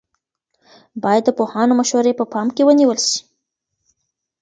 باید د پوهانو مشورې په پام کې ونیول سي.